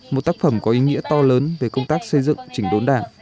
một tác phẩm có ý nghĩa to lớn về công tác xây dựng chỉnh đốn đảng